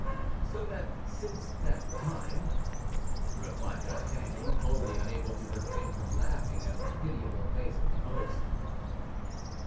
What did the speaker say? "So that since that time—" replied D'Artagnan, totally unable to refrain from laughing at the pitiable face of the host.